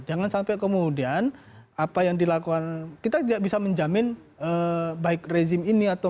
jangan sampai kemudian apa yang dilakukan kita tidak bisa menjamin baik rezim ini atau